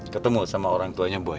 ketemu sama orang tuanya